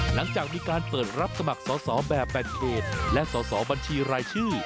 หลังจากมีการเปิดรับสมัครสอสอแบบแบ่งเขตและสอสอบัญชีรายชื่อ